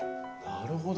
なるほど。